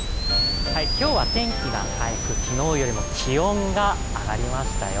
今日は天気が回復、昨日よりも気温が上がりましたよ。